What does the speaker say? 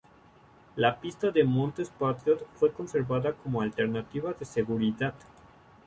La pista de montes Patriot fue conservada como alternativa de seguridad.